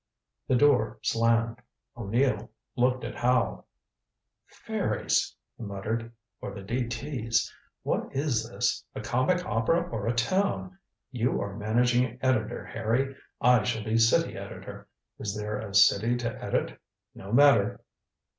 The door slammed. O'Neill looked at Howe. "Fairies," he muttered, "or the D.T's. What is this a comic opera or a town? You are managing editor, Harry. I shall be city editor. Is there a city to edit? No matter."